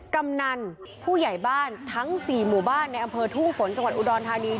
กำนันผู้ใหญ่บ้านทั้ง๔หมู่บ้านในอำเภอทุ่งฝนจังหวัดอุดรธานี